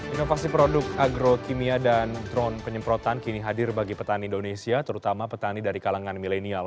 inovasi produk agrokimia dan drone penyemprotan kini hadir bagi petani indonesia terutama petani dari kalangan milenial